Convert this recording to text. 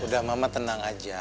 udah mama tenang aja